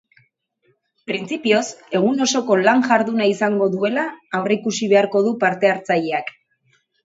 Printzipioz egun osoko lan jarduna izango dela aurreikusi beharko du parte-hartzaileak.